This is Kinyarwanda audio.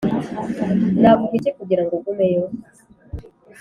navuga iki kugirango ugumeyo